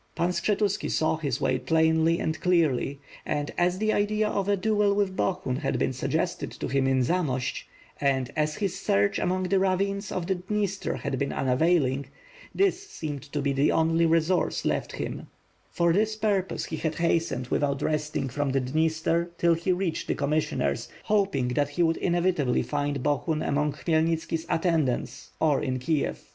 Pan Skshetuski saw his way plainly and clearly, and, as the idea of a duel with Bohun had been suggested to him in Zamost and, as his search among the ravines of the Dniester had been unavailing, this seemed to be the only resource left him; for this purpose he had hastened without resting from the Dniester till he reached the commissioners, hoping that he would inevitably find Bohun among Khmyelnitski's at tendants, or in Kiev.